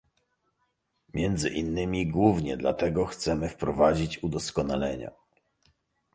Między innymi głównie dlatego chcemy wprowadzić udoskonalenia